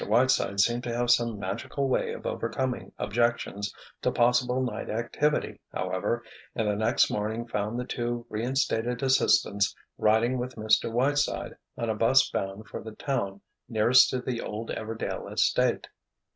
Whiteside seemed to have some magical way of overcoming objections to possible night activity, however; and the next morning found the two reinstated assistants riding with Mr. Whiteside on a 'bus bound for the town nearest to the old Everdail estate.